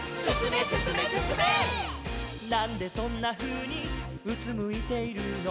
「なんでそんなふうにうつむいているの」